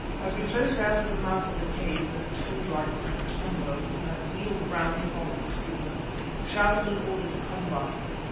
As we floated out of the mouth of the cave the toad like Motombo, who had wheeled round upon his stool, shouted an order to Komba.